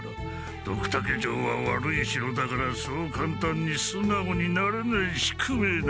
ドクタケ城は悪い城だからそう簡単にすなおになれない宿命なのだ。